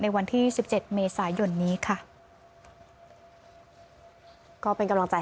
ลูกเมียผมทั้งคนนะพี่ช่วยผมหน่อย